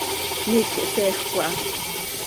Miiqui hseejöc aha.